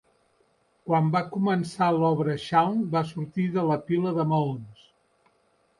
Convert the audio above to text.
Quan va començar l'obra Shawn va sortir de la pila de maons.